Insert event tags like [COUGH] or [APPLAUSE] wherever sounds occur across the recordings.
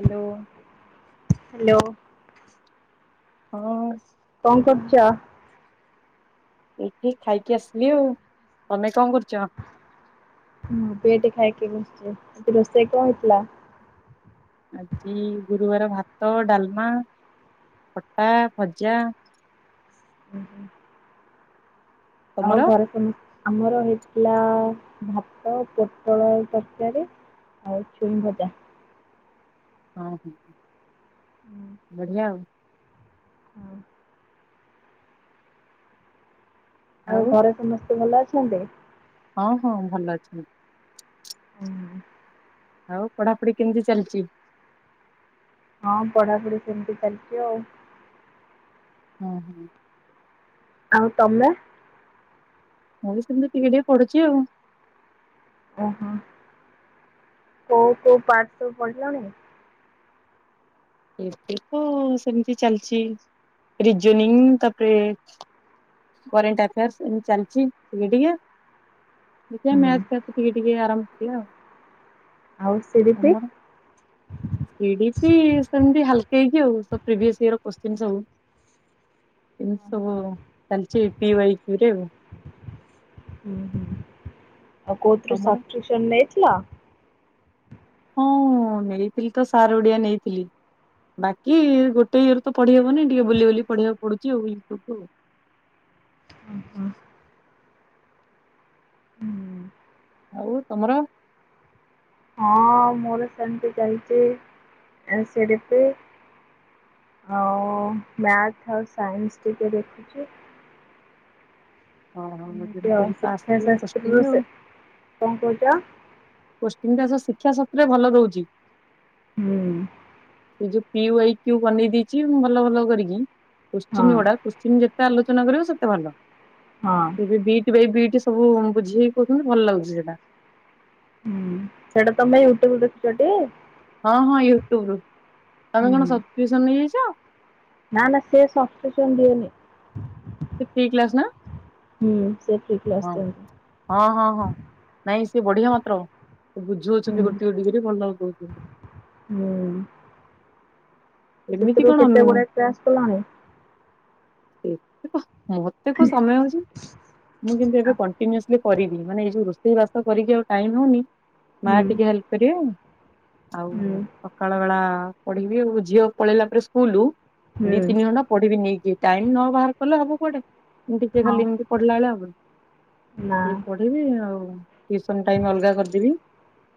Hello. Hello. ହଁଅଁ। କଂ କରୁଚ? ଏଇଠି ଖାଇକି ଆସିଲି ଆଉ ତମେ କଂ କରୁଚ? ମୁଁ ବି ଏଇଠି ଖାଇକି ବଷ୍ଛି ଆଜି ରୋଷେଇ କଣ ହେଇଥିଲା? ଆଜି ଗୁରୁବାର ଭାତ ଡାଲମା ଖଟା ଭଜା। ହୁଁ ହୁଁ। ଆଉ ତମର? ଘରେ ସମସ୍ ଆମର ହେଇଥିଲା ଭାତ ପୋଟଳ ଆଳୁ ତରକାରୀ ଆଉ ଛୁଇଁ ଭଜା। ହଁ ହଁ ବଢ଼ିଆ ଆଉ। ହଁ। ଆଉ ଘରେ ସମସ୍ତେ ଭଲ ଅଛନ୍ତି? ହଁ ହଁ ଭଲ ଅଛନ୍ତି। ହୁଁ। ଆଉ ପଢାପଢି କେମିତି ଚାଲିଛି? ହଁ ପଢାପଢି ସେମିତି ଚାଲିଛି ଆଉ। ହୁଁ ହୁଁ। ଆଉ ତମେ ମୁଁ ବି ସେମିତି ଟିକେ ଟିକେ ପଢୁଛି ଆଉ। ଓହୋ କୋଉ କୋଉ ପାର୍ଟ ସବୁ ପଢିଲଣି? ଏବେ ତ ସେମିତି ଚାଲିଛି ରିଜନିଂ ତାପରେ କରେଣ୍ଟ ଆଫେୟାର୍ସ ଏମିତି ଚାଲିଛି ଟିକେ ଟିକେ ଦେଖିବା ହୁଁ ମ୍ୟାଥ ଫ୍ୟାଥ ଟିକେ ଟିକେ ଆରମ୍ଭ କରିବା ଆଉ, ଆଉ ସି ଡି ପି? ତମର? ଇଡିିପି ସେମତି ହାଲ୍କେଇକି ଆଉ ସବୁ ପ୍ରିଭିୟସ ଇୟର ର କୋଶ୍ଚିନ ସବୁ [INAUDIBLE] ଏମିତି ସବୁ ଚାଲିଛି ପିୱାଇକ୍ୟୁ ରେ ଆଉ ହୁଁ ହୁଁ ଆଉ କୋଉଥିରେ ତମର? ସବସ୍କ୍ରିପସନ ନେଇଥିଲ? ହଁ ନେଇଥିଲି ତ ସାର ଓଡିଆ ନେଇଥିଲି। ବାକି ଗୋଟେ ଇଏ ରୁ ତ ପଢି ହବନି ଟିକେ ବୁଲି ବାଲି ପଢିବାକୁ ପୁଡୁଛି ଆଉ ୟୁୁଟୁବ ରୁ। ହୁଁ ହୁଁ। ହୁଁ ଆଉ ତମର? ହଁ ମୋର ସେମିତି ଚାଲିଛି ଏସିଡିପି ଆଉ ମ୍ୟାଥ ଆଉ ସାଇନ୍ସ ଟିକେ ଦେଖୁଛି ହଁ ହଁ ଏମିତି ଯେମିତି ଆଉ ହେଲେ ତ ଶିକ୍ଷା ଆସିବ କୋଶ୍ଚିନ ଶାସ୍ତ୍ରରୁ ଆଉ। ସେ କଣ କହୁଛ କୋଶ୍ଚିନଟା ସେ ଶିକ୍ଷା ସପ ରେ ଭଲ ଦଉଛି। ହୁଁ। ସେ ଯୋଉ ପିୱାଇକ୍ୟୁ ବନେଇ ଦେଇଛି ଉଁ ଭଲ ଭଲ କରିକି ହଁ କୋଶ୍ଚିନ ଗୁଡା କୋଶ୍ଚ ଶ୍ଚିନ ଯେତେ ଆଲୋଚନା କରିବ ସେତେ ଭଲ। ହଁ। ଏବେ ବିଟ ବାଇ ବିଟ ସବୁ ବୁଝେଇ କହୁଛନ୍ତି ଭଲ ଲାଗୁଛି ସେଇଟା। ହୁଁ ସେଇଟା ତମେ ୟୁଟ୍ୟୁବରୁ ଦେଖୁଛ ଟି? ହଁ ହଁ ୟୁଟ୍ୟୁବରୁ ତମେ କଣ ସବସ୍କ୍ରିପସନ ନେଇଯାଇଛ? ନ ନା ସେ ସବସ୍କ୍ରିପସନ ଦିଏନି। ସେ ଫ୍ରି କ୍ଲାସ ନା? ହୁଁ ସେ ଫ୍ରି କ୍ଲାସ ହଁ ଦିଅନ୍ତି। ହଁ ହଁ ହଁ ନାଇଁ ସିଏ ବଢିଆ ମାତ୍ର ସେ ବୁଝଉଛନ୍ତି ହୁଁ ଗୋଟି ଗୋଟି କରି ଭଲ କହୁଛନ୍ତି। ହୁଁ। ଏମିତି ସେଥିରୁ କେତେ ଗୁଡାଏ କ୍ଲାସ୍ କଲଣି? କେତେ କଣ ମତେ କୋଉ ସମୟ ହଉଛି। ମୁଁ କିନ୍ତୁ ଏବେ ଆ କଣ୍ଟିନିଅସଲି କରିବି ମାନେ ଏଇ ଯୋଉ ରୋଷେଇ ବାସ କରିକି ଆଉ ଟାଇମ ହଉନି ମା ହୁଁ ଟିକେ ହେଲ୍ପ କରିବେ ଆଉ ଆଉ ହୁଁ ସକାଳ ବେଳା ପଢିବି ଆଉ ଝିଅ ପଳେଇଲା ପରେ ସ୍କୁଲୁ ଦି ହୁଁ ତିନି ଘଣ୍ଟା ପଢିବି ନେଇକି। ଟାଇମ ନ ବାହାର କଲେ ହବ କୁଆଡେ? ୟୁଟ୍ୟୁବରେ ହଁ ଖାଲି ଏମିତି ପଢ଼ିଲା ଭଳିଆ ନା ହେଲେ ହବନି [UNINTELLIGIBLE] [UNINTELLIGIBLE] ଆଉ ଟିୟୁସନ ଟାଇମ ଅଲଗା କରିଦେବି।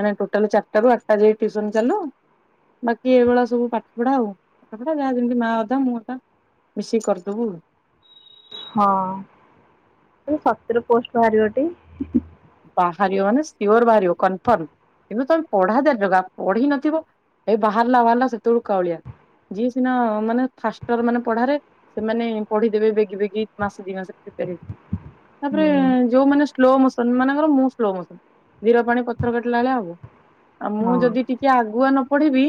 ମାନେ ଟୋଟାଲ ଚାରିଟା ରୁ ଆଠଟା ଯାଏ ଟିୟୁସନ ଚାଲୁ ବାକି ଏଇଭଳିଆ ସବୁ ପାଠ ପଢ଼ା ଆଉ ସେଗୁଡା ଯାହା ଯେମିତି ମା ଅଧା ମୁଁ ଅଧା ମିଶିକି କରିଦବୁ ଆଉ। ହଁ ଏଇ ସତରେ ପୋଷ୍ଟ ବାହାରିବ ଟି? ବାହାରିବ ମାନେ ସିଓର ବାହାରିବ କନଫର୍ମ କିନ୍ତୁ ତମେ ପଢା ଜାରି ରଖ ଆଉ ପଢି ନଥିବ ଏଇ ବାହାରିଲା ବାହାରିଲା ସେତେବେଳୁ କାଉଳିଆ ଯିଏ ସିନା ମାନେ ଫାଷ୍ଟ ର ମାନେ ପଢାରେ ସେମାନେ ପଢିଦେବେ ବେଗି ବେଗି ମାସେ ଦି ମାସେ ଭିତରେ। ତାପରେ ହୁଁ ଯୋଉମାନେ ସ୍ଲୋ ମୋସ୍ ସେମାନଙ୍କର ମୁଁ ସ୍ଲୋ ମୋସନ ଧୀର ପାଣି ପଥର କାଟିଲା ଭଳିଆ ଆଉ ମୁଁ ହଁ। ଯଦି ଟି ଟିକିଏ ଆଗୁଆ ନ ପଢିବି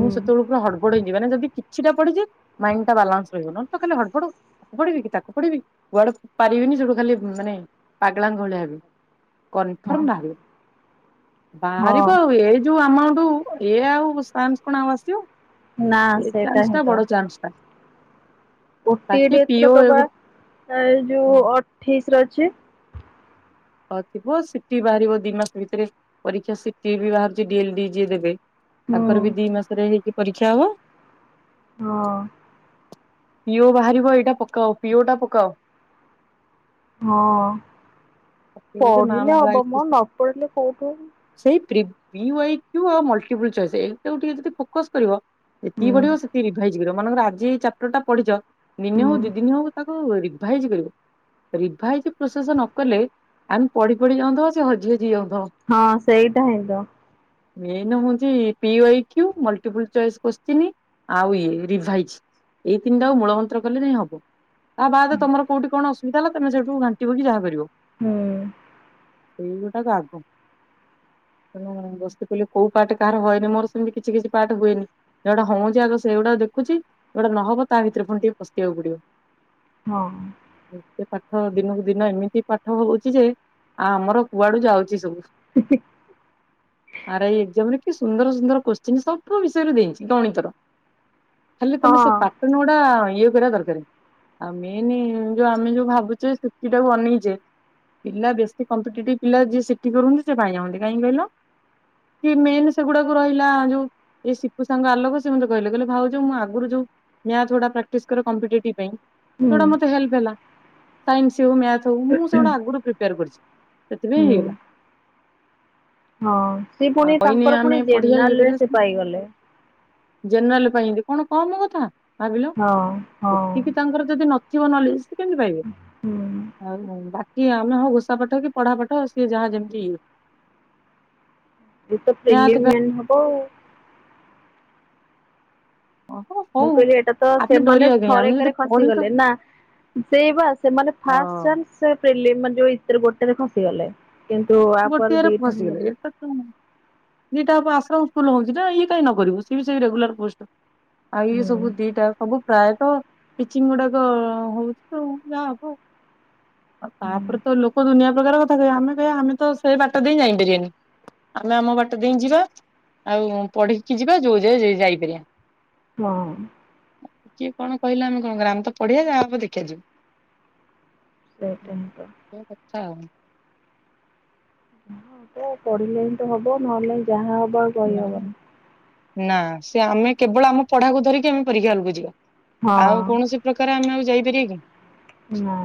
ମୁଁ ସେତୋଳୁ ପୁରା ହଡବଡ ହେଇଯି ମାନେ ଯଦି କିଛିଟା ପଢିଚି ମାଇଣ୍ଡ ଟା ବାଲାନ୍ସ ରହିବନହେନେ ତ ହଡଡ। ଆକୁ ପଢେଇବି କି ତାକୁ ପଢିବି କୁଆଡେ ପାରିବିନି ସେଠୁ ଖାଲି ମାନେ ପାଗଳାଙ୍ଗ ଭଳିଆ ହେ ବି। ହଁ କନଫର୍ମ ବାହାରିବ ବାହାରିବ ହଁ ଆଉ ଏ ଯୋଉ ଆମାଉଣ୍ଟ ଏ ଆଉ ଚାନ୍ସ କଣ ଆଉ ଆସିବ ନା ଏ ସେଇଟା ଚାନ୍ସ ହିଁ ଟା ତ ବଡ ଚାନ୍ସ। [INAUDIBLE] ବାକି ଓଟିଇଟି ଏଥର ପିଓ କବା ଏ ଯଉ ଅଠେଇଶି ର ଅଛି। ହ ଥିବ ସି ଟି ବି ବାହାରିବ ଦି ମାସ ଭିତରେ ପରୀକ୍ଷା ସି ଟି ବି ବାହାରୁଛି ଡିଏଲ ଡି ଯିଏ ଦେବେ। ହୁଁ ତାଙ୍କର ବି ଦି ମାସରେ ହେଇକି ପରୀକ୍ଷା ହବ? ହଁ। ପିଓ ବାହାରିବ ଏଇଟା ପକାଅ ପିଓ ଟା ପକାଅ। ହଁ ପକେଇବ ଯେ ମା ପଢିଲେ ମଙ୍ଗଳା ହବ ମ ହେଇଛି। ନ ପଢିଲେ କୋଉଠୁ। ସେଇ ପ୍ରି ପିୟୁଟୁ ଆଉ ମଲ୍ଟିଫୁଲ ଚଏସ୍ ଏଇଟାକୁ ଟିକେ ଯଦି ଫୋକସ କରିବ। ଯେତିକି ହୁଁ ପଢିବ ସେତିି ରିଭାଇଜ୍ କରିବ ମନେକର ଆଜି ଏଇ ଚାପ୍ଟରଟା ପଢିଚ ଦିନେ ହୁଁ ହଉ ଦି ଦିନି ହଉ ତା ହଉ ରିଭାଇଜ କରିବ। ରିଭାଇଜ ପ୍ରୋସେସ୍ ନ କଲେ ଆମେ ପଢି ପଢି ଯାଉଥୁବା ସେ ହଜି ହଜି ଯାଉଥୁବ। ହଁ ସେଇଟା ହେଇଯାଉ। ଏଇନା ହଉଚି ପିୱଇକିଉ ମଲଟିଫୁଲ ଚଏସ୍ କେଶ୍ଚିନ। ଆଉ ଇଏ ରି ଭାଇଜ୍। ଏଇ ତିନିଟାକୁ ମୂଳ ମନ୍ତ୍ର କଲେ ଯାଇଁ ହବ ତା ବାଦେ ତମର କୋଉଠି କଣ ଦେଲ ତମେ ସେଉଠୁ ଘାଣ୍ଟିବ କିି ଯାହା କରିବ। ହୁଁ। ସେଇ ଗୋଟାକ ଆଗ ତେଣୁ ବସିଥିଲେ କୋଉ ପାଟ କାହାର ହଏନି ମୋ ସେମିତି କିଛି କିଛି ପାଟ ହୁଏନି ଯୋଉଡା ହଉଚି ଆଗ ସେଇଗୁଡା ଦେଖୁଚି। ଯୋଉଡ଼ା ନହବ ତା ଭିତରେ ଫୁଣି ଟିକେ ପଶିବାକୁ ପଡିବ। ହଁ। ସେ ପାଠ ଦିନକୁ ଦିନ ଏମିତି ପାଠ ହଉଛି ଯେ ଆ ଆମର କୁଆଡୁ ଯାଉଚି ସବୁ। [INAUDIBLE] ଆର୍ ଆଇ ଏକ୍ଜାମ ରେ କି ସୁନ୍ଦର ସୁନ୍ଦର କୋଶ୍ଚିନ୍ ସବୁ ବିଷୟରେ ଦେଇଛି ଗଣିତର। ଖାଲି ତମେ ହଁ ସେ ପାଟନ ଗୁଡା ଇଏ କରିବା ଦରକାର। ମେନେ ଆମେ ଯୋଉ ଭାବୁଚେ ସି ଟି ଟାକୁ ଅନେଇଚେ। ପିଲା ବେଶୀ କମ୍ପିଟେଟିଭ ପିଲା ଯିଏ ସି ଟି କରୁନ୍ତି ସିଏ ପାଇ ଯାଉଚନ୍ତି କାହିଁ କହିଲ? କି ମେନ୍ ସେଗୁଡାକ ରହିଲା ଯୋଉ। ଏ ଶିପୁ ସାଙ୍ଗ ଆଲୋକ ସେ କହିଲେ କହିଲେ ଭାଉ ଯୋଉ ମୁଁ ଆଗରୁ ଯୋଉ ମ୍ୟାଥ୍ ଉଡ଼ା ପ୍ରାକ୍ଟିସ୍ କରେ କମ୍ପିଟେଟିଭ୍ ପାଇଁ ହୁଁ ସେଉଡ଼ା ମତେ ହେଲ୍ପ ହେଲା ସାଇନ୍ସ ହୋଉ ମ୍ୟା ତ ମୁଁ ସେଉଡ଼ା ଆଗୁରୁ ପ୍ରିପେୟାର କରିଛି ସେଥିପାଇଁ ହୁଁ ହେଇଗଲା। ହଁ ସେ ଆଉ ଫୁଣି ବହିନେ ତାଙ୍କର ଫୁଣି ଆମେ ପଢିବା ଜେନାଲ୍ ରେ ସେ ପାଇଗଲେ। ଜେନେରାଲ୍ ପାଇଁ ଯେ କଣ କମ କଥା ଭାବିଲ ହଁ ହଁ ସେତିକି ତାଙ୍କର ଯଦି ନ ଥିବ ନଲେ ସେ କେମିତି ପାଇବେ? ହୁଁ କି ଆମେ ହଉ ଘୋଷା ପାଠ କି ପଢ଼ା ପାଠ ସିଏ ଯାହା ଯେମିତି ଇ ଏ ତ ମ୍ୟାଥ ପ୍ରିଲିମ୍ ମେନ୍ ହବ। ମୁଁ ହଉ କହିଲି ଏଇଟା ତ ଆମେ ସେମାନେ ଡରିବା କାହିଁ ଥରେ ଆମେ ଯଦି କରେ ପଢି ତ ଖସିଗଲେ ନା। ସେଇ ବା ସେମାନେ ଫାର୍ଷ୍ଟ ହଁ ସେମ୍ ସେ ପ୍ରିଲିମ୍ ମାନେ ସେ ଏଇଥିରେ, ଗୋଟେରେ ଖସିଗଲେ। କିନ୍ତୁ ଆପରେ ଦିଟା ହିଁ ହେବ। ହ ଦିଟା ହବ ଆଶ୍ରମ ସ୍କୁଲ୍ ହୋଉଛି ନା, ଇଏ କାଇଁ ନ କରିବୁ ସିଏ ବି ସେ ରେଗୁଲାର ପୋଷ୍ଟ ଆଉ ଇଏ ହୁଁ ସବୁ ଦିଟା ସବୁ ପ୍ରାୟତଃ ପିଚିଙ୍ଗ ଗୁଡାକ ହୋଉଛି ତ ଯାହା ହବ। ହୁଁ ତାପରେ ତ ଲୋକ ଦୁନିଆ କେତେ ପ୍ରକାର କଥା କହିବା, ଆମେ କହିବା ଆମେ ତ ସେ ବାଟ ଦେଇ ଯାଇପାରିଆନି। ଆମେ ଆମ ବାଟ ଦେଇ ଯିବା, ଆଉ ପଢିକି ଯିବା ଯୋଉ ଯାଇ ଯାଇପାରିବା। ହଁ। କିଏ କଣ କହିଲା ଆମେ କଣ କରିଆ, ଆମେ ତ ପଢିଆ ବା ଯାହା ହବ ଦେଖିଯିବ। ସେଇଟା ହିଁ [UNINTELLIGIBLE] ତ କଥା ଆଉ। ହଁ ହବ ପଢିଲେ ହିଁ ତ ହବ, ନହଲେ ଯାହା ହବ ଆ ନା ସେ ଆମେ କେବଳ ଆମ ପଢାକୁ ଧରିକି, ଆମେ ପରୀକ୍ଷା ହଲକୁ ଯିବା। ଆଉ ହଁ କୌଣସି ପ୍ରକାର ଆମେ ଆଉ ଯାଇପାରିଆ କି? ନା।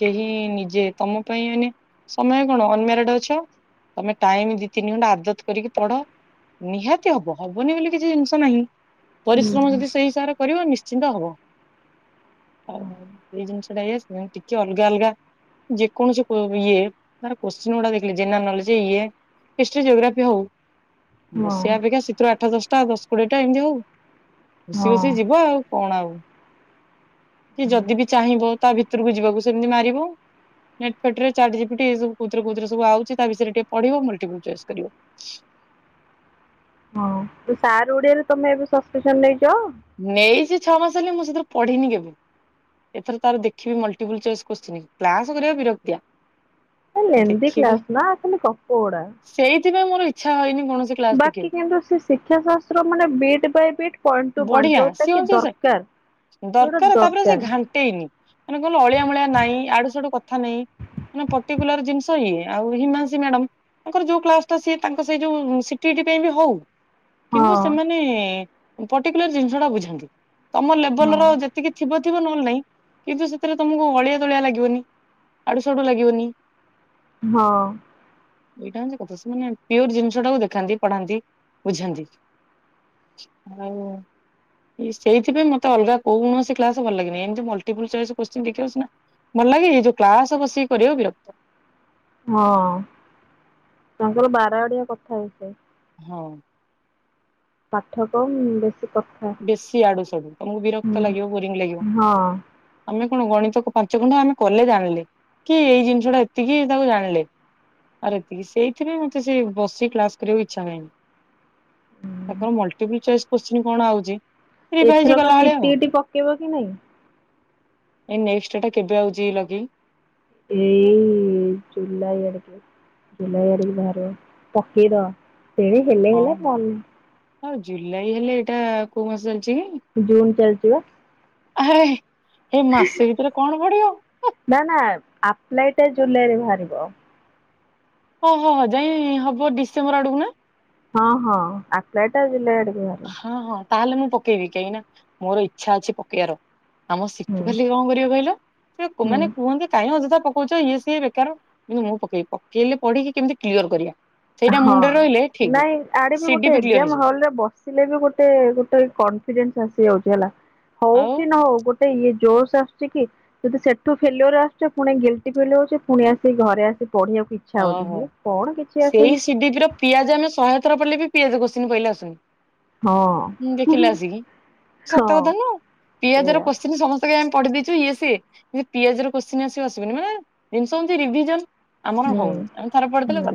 କେହି ନିଜେ ତମ ପାଇଁ ମାନେ, ସମୟ କଣ ଅନମ୍ୟାରେଡ ଅଛ ତମେ ଟାଇମ ଦି ତିନି ଘଣ୍ଟା ଆଦତ କରିକି ପଢ଼, ନିହାତି ହବ ହବନି ବୋଲି କିଛି ଜିନିଷ ନାହିଁ। ହୁଁ ପରିଶ୍ରମ ଯଦି ସେଇ ହିସାବରେ କରିବ, ନିଶ୍ଚିନ୍ତ ହବ। ଏଇ ଜିନିଷଟା ଏଇଆ, ସେମାନେ ଟିକେ ଅଲଗା ଅଲଗା ଯେକୌଣସି ଇଏ ତାର କୋଶ୍ଚିନ୍ ଗୁଡା ଦେଖିଲେ, ଜେନେରାଲ ନଲେଜ ଇଏ ହିଷ୍ଟ୍ରି ଜୋଗ୍ରାଫି ହଉ। ହଁ ବସିଆ ଅପେକ୍ଷା, ସେଥିରୁ ଆଠ ଦଶଟା ଦଶ କୋଡିଏଟା ଏମିତି ହଉ ବସି ହଁ। ବସିକି ଯିବ ଆଉ। କଣ ଆଉ କି ଯଦି ବି ଚାହିଁବ ତା ଭିତରକୁ ଯିବାକୁ, ସେମିତି ମାରିବ। ନେଟ ଫେଟ ଚାଟ୍ ଜି ପି ଟି ଏସବୁ କୋଉଥରେ କୋଉଥରେ ସବୁ ଆଉଛି, ତା ବିଷୟରେ ଟିକେ ପଢିବ ମଲ୍ଟିପୂଲ୍ ଚଏସ କରିବ। ତ ଷ୍ଟାର୍ ଓଡିଆରେ ତମେ ଏବେ ସସ୍ପେସନ ନେଇଛ? ନେଇଛି ଛଅ ମାସ ହେଲେ ମୁଁ ସେଥିରେ ପଢିନି କେବେ? ଏଥର ତାର ଦେଖିବି ମଲ୍ଟିପୂଲ୍ ଚଏସ କୋତ୍ସିନ୍ କ୍ଲାସ କରିଆକୁ ବିରକ୍ତିଆ। ଲେନ୍ଦି ଦେଖିବି। କ୍ଲାସ ନା ଖାଲି ଗପ ଗୁଡା। ସେଇଥିପାଇଁ ମୋର ଇଚ୍ଛା ହଇନି କୌଣସି କ୍ଲାସ୍ ବାକି ଦେଖିବାକୁ କିନ୍ତୁ ସେ ଶିକ୍ଷା ଶାସ୍ତ୍ର ମାନେ bit by bit point to point ବଢିଆ ଯୋଉଟା ସିଏ କି ହଉଚି ସେ ଦରକାର ଯୋଉଟା ଦରକାର। ତେ ମାନେ କହିଲ ଅଳିଆ ମଳିଆ ନାଇଁ ଆଡୁ ସଡୁ କଥା ନାଇଁ ମାନ ପର୍ଟିକୁଲାର ଜିନିଷ ଇଏ, ଆଉ ହିମାଂଶୀ ମ୍ୟାଡ଼ାମ ତାଙ୍କର ଯୋଉ କ୍ଲାସଟା ସିଏ ତାଙ୍କ ସେଇ ଯୋଉ, ସି ଟି ଇ ଟି ପାଇଁ ବି ହଉ। କିନ୍ତୁ ହଁ ସେମାନେ ପର୍ଟିକୁଲାର ଜିନିଷଟା ବୁଝାନ୍ତି, ତମ ଲେବଲ ର ହଁ ଯେ ଟିକେ ଥିବ ଥିବ ନହେଲେ ନାହିଁ, କିନ୍ତୁ ସେଥିରେ ତମକୁ ଅଳିଆ ତଳିଆ ଲାଗିବନି। ଆଡୁ ସାଡୁ ଲାଗିବନି। ହଁ। ଏଇଟା ହଉଛି କଥା, ସେମାନେ ପିଓର ଜିନିଷଟାକୁ ଦେଖାନ୍ତି, ପଢାନ୍ତି, ବୁଝାନ୍ତି। ଆଉ ସେଥିପାଇଁ ମତେ ଅଲଗା କୌଣସି କ୍ଲାସ ଭଲ ଲାଗେନି, ଏମିତି ମଲ୍ଟିପୂଲ୍ ଚଏସ କୋଶ୍ଚିନ୍ ଦେଖିଆକୁ ସିନା ଭଲ ଲାଗେ। ଏଇ ଯୋଉ କ୍ଲାସ ବସିକି କରିବ ବିରକ୍ତ। ହଁ ତାଙ୍କର ବାର ଆଡିଆ କଥା ହେଇଥାଏ। ହଉ। ପାଠ କମ୍ ବେଶି କ ବେଶୀ ଇଆଡୁ, ସିୟାଡୁ ତମକୁ ବିରକ୍ତ ଲାଗିବ, ବୋରିଙ୍ଗ ଲାଗିବ। ହଁ ଆମେ କଣ ଗଣିତକୁ ପାଞ୍ଚ ଖଣ୍ଡ ଆମେ କଲେ ଜାଣିଲେ। କି ଏଇ ଜିନ୍ଷ ଟା ଏତିକି ତାକୁ ଜାଣିଲେ। ଆରେ ଏତିକି, ସେଇଥି ପାଇଁ ମତେ ସେ ବସିକି କ୍ଲାସ୍ କରିବାକୁ ଇଚ୍ଛା ନାହିଁ। ଆପଣ ମଲ୍ଟିପ୍ଲ ଚଏସ୍ କୋସ୍ଚିନ୍ କଣ ଆଉଛି? ରିଭାଇଜ ଏଥରକ କଲା ଭଳିଆ ଆଉ। ସିଟି ଇଟି ପକେଇବ କି ନାଇଁ? ଏଇ ନେଷ୍ଟ ଟା କେବେ ଆଉଛି ଲଗେଇ? ଏଇ ଜୁଲାଇ ଆଡ଼କୁ। ବୁଲ ଆଡିକି ବାହାରିବ ପକେଇଦବ ସେ ହେଲେ ହେଲା ନ ହେଲେ ନାଇ। ହଁ ଜୁଲାଇ ହେଲେ ଏଇଟା କୋଉ ମାସ ଚାଲିଛି କି? ଜୁନ୍ ଚାଲି ଚିବା। ଆରେ ଏଇ ମାସେ ଭିତରେ କଣ ପଡିବ? ନା ନା ଆପ୍ଲାଇ ଟା ଜୁଲାଇରେ ବାହାରିବ। ଓହୋ। ଯାଇଁ ହବ ଡିସେମ୍ବର ଆଡକୁ ନା? ହଁ ହଁ। ଆପ୍ଲାଇ ଟା ଜୁଲାଇ ଆଡକୁ ହବ। ହଁ ହଁ, ତାହେଲେ ମୁଁ ପକେଇବି। କାହିଁକିନା ମୋର ଇଚ୍ଛା ଅଛି ପକେଇବାର। ଆମ ହୁଁ ଶିପୂ ଖାଲି କଣ କରିବା କହିଲ, ସେ ହୁଁ ମାନେ କୁହନ୍ତି [UNINTELLIGIBLE] କହୁଛ ଇଏ ସିଏ ବେକାର କିନ୍ତୁ, ମୁଁ ପକେଇି ପକେଇଲେ ପଢିକି କେମିତି କ୍ଲିୟର କରିବା। ସେଇଟା ହଁ ମୁଣ୍ଡରେ ରହିଲେ ଠିକ। ନାଇଁ ଆଡେ ବି ଗୋଟେ ସିଡିପି କ୍ଲିୟର ଏକ୍ଜାମ ହେଇଯିବ ହଲ୍ ରେ ବସ ବସିଲେବି ଗୋଟେ, ଗୋଟେ କନଫିଡେନ୍ସ ଆସି ଯାଉଛି ହେଲା। ହୋଉ ଆଉ କି ନ ହୋଉ, ଗୋଟେ ସେ ଇଏ ଜୋର୍ସ୍ ଆସୁଛି କି ଯଦି ସେଠୁ ଫେଲ୍ୟୁଅର ଆସୁଛି ଫୁଣି ଗିଲ୍ଟି ଫିଲ୍ ହୋଉଛି। ଫୁଣି ଆସିି ଘରେ ଆସି ପଢିବାକୁ ଇ ଇଛା ହୋଉଛି ଓହୋ। ହେ କଣ କିଛି ସେଇ ଆସୁନି ସିଡିପି ର ପିଆଜ ଆମେ ଶହେ ଥର ପଢିଲେ ବି ପିଆଜ କୋଶ୍ଚିନ୍ ପଇଲେ ଆସୁନି। ହଁ ହୁଁ ଦେଖିଲ ଆସିକି? ସତ ହଁ କଥା ନୁହଁ, ପିଆଜର ସେଇଆ କୋଶ୍ଚିନ୍ ସମ ଆମେ ପଢି ଦେଇ ଥିବୁ ଇଏ ସେ, କିନ୍ତୁ ପିଆଜର କୋଶ୍ଚିନ୍ ଆସିବ, ଆସିବନି। ମାନେ ଜିନ୍ସ ହୋଉଛି ରିଭିଜନ୍। ହୁଁ ହୁଁ,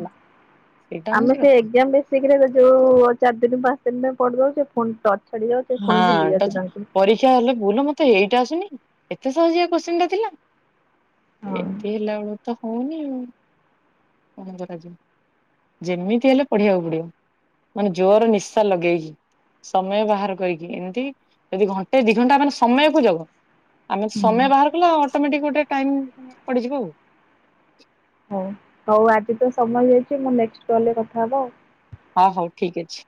ସେଇଟା ହଉଛି ଆମେ ସେ କଥା। ଏକ୍ଜାମ୍ ରେ ଶୀଘ୍ର ରେ ଯୋଉ, ଅ ଚାରି ଦିନ୍, ପାଞ୍ଚ ଦିନ୍ ରେ ପଢି ଦେଉଛି ଫୁଣି ଟଚ୍ ଛାଡି ଯାଉଛି ଫୁଣି ଭୁଲି ଯାଉଛି ତାଙ୍କୁ। ଇଛା ହେଲେ ଭୁଲ୍, ମତେ ଏଇଟା ଆସୁନି, ଏତେ ସହଜିଆ କୋଶ୍ଚିନ୍ ଟା ଥିଲା। ହଁ ଏମିତି ହେଲା ବେଳୁ ତ ହୋଉନି କଣ କରାଯିବ? ଯେମିତି ହେଲେ ପଢିବାକୁ ପଡିବ। ମାନେ ଜୋରେ ନିଶା ଲଗେଇକି, ସମୟ ବାହାର କରିକି। ଏମିତି ଯଦି ଘଣ୍ଟେ ଦି ଘଣ୍ଟା ମାନେ ସମୟକୁ ଜଗ। ଆମେ ହୁଁ। ସମୟ ବାହାର କଲ ଅଟୋମେଟିକ୍ ଗୋଟେ ଟାଇମ୍ ପଡିଯିବ ଆଉ। ହୋଉ, ହୋଉ ଆଜି ତ ସମୟ ହେଇ ଯାଇଛି। ମୁ ନେଷ୍ଟ କଲ୍ ରେ କଥା ହବା ଆଉ। ଅ ହୋଉ ଠିକ୍ ଅଛି।